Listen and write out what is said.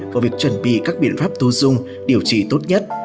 vào việc chuẩn bị các biện pháp thu dung điều trị tốt nhất